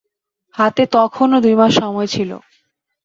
হাতে তখনো দুই মাস সময় ছিল।